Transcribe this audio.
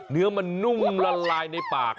เนื้อมันนุ่มละลายในปาก